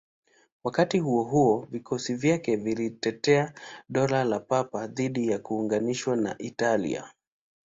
Wakati huo huo, vikosi vyake vilitetea Dola la Papa dhidi ya kuunganishwa na Italia.